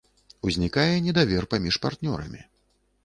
Узнікае недавер паміж партнёрамі.